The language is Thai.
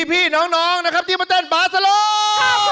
พี่น้องที่มาเต้นบ้าสลบ